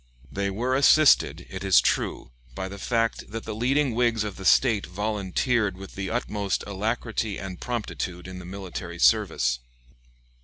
They were assisted, it is true, by the fact that the leading Whigs of the State volunteered with the utmost alacrity and promptitude in the military service.